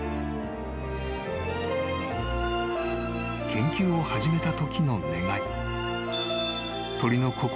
［研究を始めたときの願い］